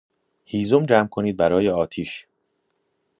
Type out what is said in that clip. هیزم جمع کنید برای آتیش